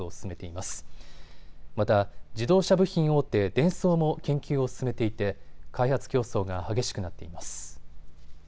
また自動車部品大手、デンソーも研究を進めていて開発競争が激しくなっています。